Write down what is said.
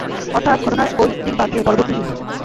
অর্থাৎ ঘটনার ঐ দিন বাদ দিয়ে পরবর্তী তিনদিন।